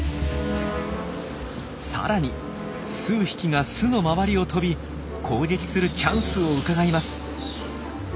さらに数匹が巣の周りを飛び攻撃するチャンスをうかがいます。